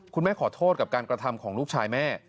ขอโทษกับการกระทำของลูกชายแม่